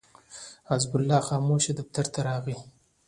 حزب الله خاموش دفتر ته راغی.